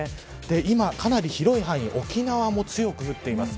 今かなり広い範囲沖縄も強く降っています。